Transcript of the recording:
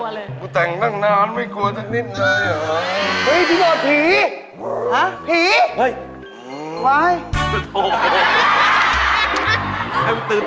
ลูกหล่อมันได้เลยมันชอบจังเลย